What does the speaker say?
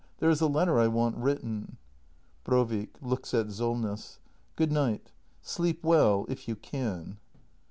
There is a letter I want written. Brovik. [Looks at Solness.] Good night. Sleep well — if you can.